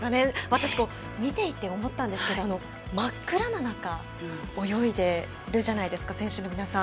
私、見ていて思ったんですけど真っ暗な中泳いでいるじゃないですか選手の皆さん。